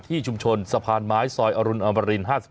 ที่ชุมชนสะพานหมายสอยอรุณอมริน๕๓